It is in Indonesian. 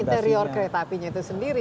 dan dalam interior kereta apinya itu sendiri